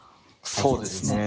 そうですね。